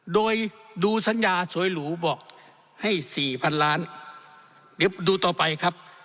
โดยดูสัญญาสวยหรูบอกให้สี่พันล้านเดี๋ยวดูต่อไปครับ